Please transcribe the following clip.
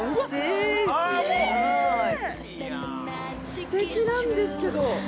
◆すてきなんですけど。